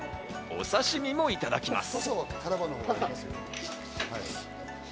お刺し身もいただきます。